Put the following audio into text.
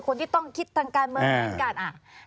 คนที่ต้องคิดทางการเมืองเหมือนกัน